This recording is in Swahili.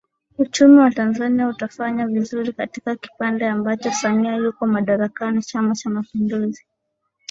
uchumi wa Tanzania utafanya vizuri katika kipindi ambacho Samia yuko madarakani Chama cha mapinduzi